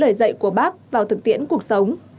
để dạy của bác vào thực tiễn cuộc sống